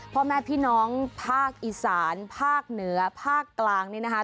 พ่อแม่พี่น้องภาคอีสานภาคเหนือภาคกลางนี่นะคะ